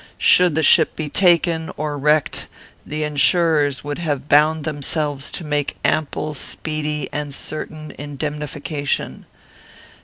Should the ship be taken or wrecked, the insurers would have bound themselves to make ample, speedy, and certain indemnification.